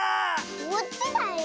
こっちだよ。